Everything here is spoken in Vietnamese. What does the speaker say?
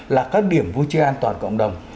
là các điểm vui chơi an toàn cộng đồng